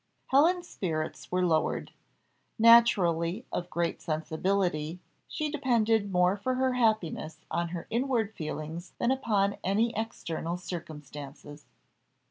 Helen's spirits were lowered: naturally of great sensibility, she depended more for her happiness on her inward feelings than upon any external circumstances.